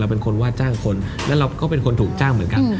เป็นคนว่าจ้างคนและเราก็เป็นคนถูกจ้างเหมือนกัน